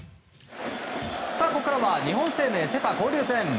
ここからは日本生命セ・パ交流戦。